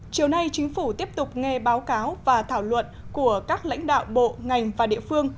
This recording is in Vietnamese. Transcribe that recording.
chiều nay chính phủ tiếp tục nghe báo cáo và thảo luận của các lãnh đạo bộ ngành và địa phương